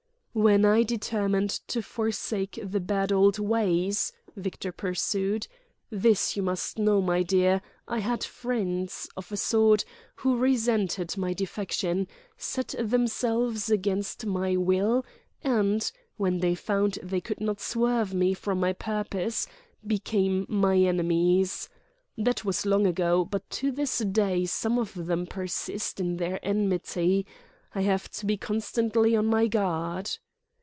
"When I determined to forsake the bad old ways," Victor pursued—"this you must know, my dear—I had friends—of a sort—who resented my defection, set themselves against my will and, when they found they could not swerve me from my purpose, became my enemies. That was long ago, but to this day some of them persist in their enmity—I have to be constantly on my guard."